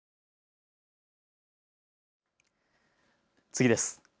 次です。